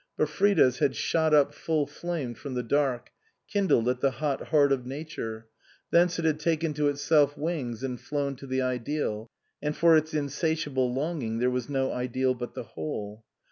But Frida's had shot up full flamed from the dark, kindled at the hot heart of nature, thence it had taken to itself wings and flown to the ideal ; and for its insati able longing there was no ideal but the whole.